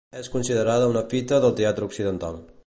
És considerada una fita del teatre occidental.